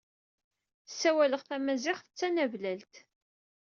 Ssawaleɣ tamaziɣt d tanablalt.